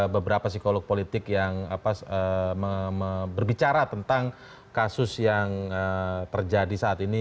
beberapa psikolog politik yang berbicara tentang kasus yang terjadi saat ini